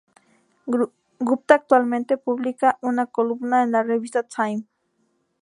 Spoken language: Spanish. Gupta actualmente publica una columna en la "revista Time".